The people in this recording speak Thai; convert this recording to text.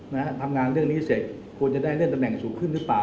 นะฮะทำงานเรื่องนี้เสร็จควรจะได้เลื่อนตำแหน่งสูงขึ้นหรือเปล่า